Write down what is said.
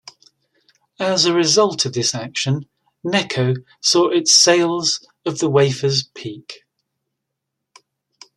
As a result of this action, Necco saw its sales of the wafers peak.